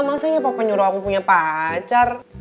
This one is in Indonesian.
masanya papa nyuruh aku punya pacar